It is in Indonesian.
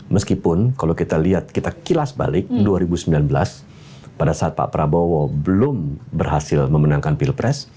meskipun kalau kita lihat kita kilas balik dua ribu sembilan belas pada saat pak prabowo belum berhasil memenangkan pilpres